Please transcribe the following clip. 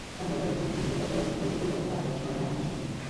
তাঁহাদের দয়ার জন্য আমি যে কতদূর কৃতজ্ঞ, তাহা প্রকাশ করা আমার সাধ্য নয়।